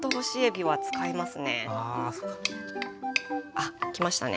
あっきましたね。